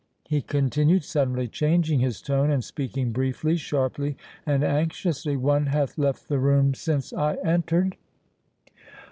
he continued, suddenly changing his tone, and speaking briefly, sharply, and anxiously; "one hath left the room since I entered?"